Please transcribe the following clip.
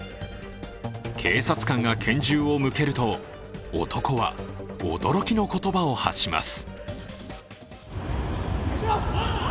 警察官が拳銃を向けると、男は驚きの言葉を発します。